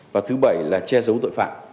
và thứ bảy là che giấu tội phạm